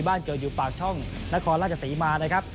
บ้านเกิดอยู่ปากช่องนครราชศรีมานะครับ